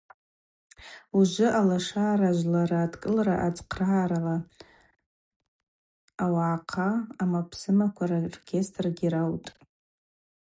Ужвы Алашара жвлара адкӏылара ацхърагӏарала ауагӏахъа ъамапсымаква роркестргьи раутӏ.